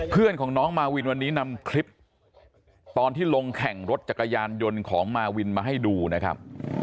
เพื่อนของน้องมาวินวันนี้นำคลิปตอนที่ลงแข่งรถจักรยานยนต์ของมาวินมาให้ดูนะครับ